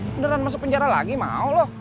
beneran masuk penjara lagi mau loh